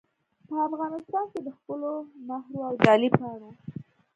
په افغانستان کې دخپلو مهرو او جعلي پاڼو